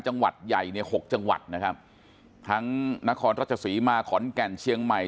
จังหวัดใหญ่เนี่ยหกจังหวัดนะครับทั้งนครราชสีมาขอนแก่นเชียงใหม่